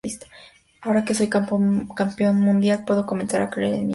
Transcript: Ahora que soy campeón mundial puedo comenzar a creer en mí mismo.